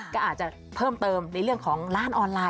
ก็อาจจะเพิ่มเติมในเรื่องของร้านออนไลน